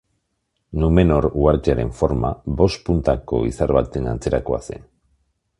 Numenor uhartearen forma, bost puntako izar baten antzerakoa zen.